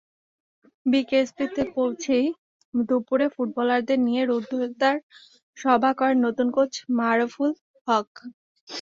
বিকেএসপিতে পৌঁছেই দুপুরে ফুটবলারদের নিয়ে রুদ্ধদ্বার সভা করেন নতুন কোচ মারুফুল হক।